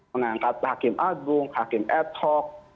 mengangkat hakim agung hakim ad hoc